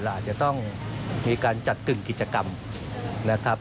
อาจจะต้องมีการจัดกึ่งกิจกรรมนะครับ